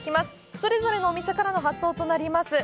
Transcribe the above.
それぞれのお店からの発送となります。